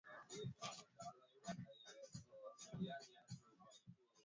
kuna hatua za kufata kupika matembele